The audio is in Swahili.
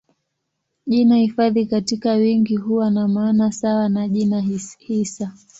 Jina hifadhi katika wingi huwa na maana sawa na jina hisa.